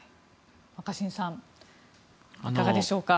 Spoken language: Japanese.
若新さんいかがでしょうか。